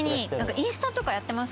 インスタやってます。